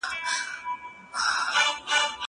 زه پرون انځور وليد؟!